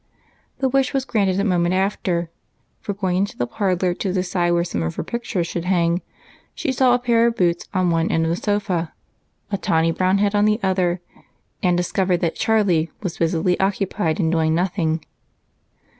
The wish was granted a moment after, for, going into the parlor to decide where some of her pictures should hang, she saw a pair of brown boots at one end of the sofa, a tawny brown head at the other, and discovered that Charlie was busily occupied in doing nothing.